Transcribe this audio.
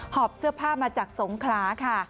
อบเสื้อผ้ามาจากสงขลาค่ะ